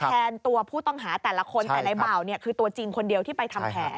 แทนตัวผู้ต้องหาแต่ละคนแต่ในเบาคือตัวจริงคนเดียวที่ไปทำแผน